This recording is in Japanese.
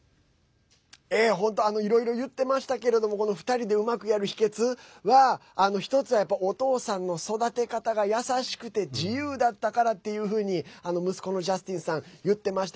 本当、いろいろ言ってましたけれども２人でうまくやる秘けつは１つはお父さんの育て方が優しくて自由だったからっていうふうに息子のジャスティンさん言ってました。